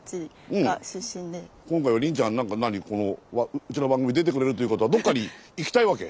今回は凜ちゃん何？うちの番組出てくれるっていうことはどっかに行きたいわけ？